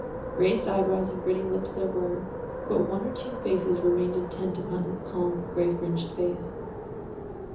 Raised eyebrows and grinning lips there were, but one or two faces remained intent upon his calm grey fringed face.